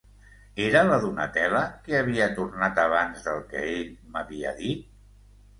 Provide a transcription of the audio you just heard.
Era la Donatella que havia tornat abans del que ell m'havia dit?